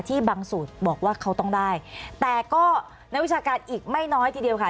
บางสูตรบอกว่าเขาต้องได้แต่ก็นักวิชาการอีกไม่น้อยทีเดียวค่ะ